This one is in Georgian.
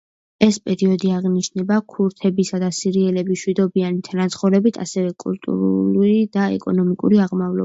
ეს პერიოდი აღინიშნება ქურთებისა და სირიელების მშვიდობიანი თანაცხოვრებით, ასევე კულტურული და ეკონომიკური აღმავლობით.